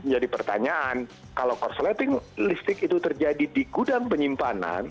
jadi pertanyaan kalau korsleting listik itu terjadi di gudang penyimpanan